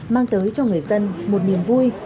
mang tới cho người dân một niềm vui